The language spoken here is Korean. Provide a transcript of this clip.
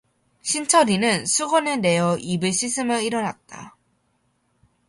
신철이는 수건을 내어 입을 씻으며 일어났다.